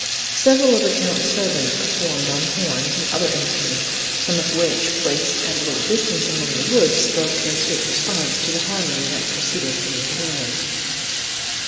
Several of the Count's servants performed on horns and other instruments, some of which, placed at a little distance among the woods, spoke, in sweet response, to the harmony, that proceeded from the pavilion.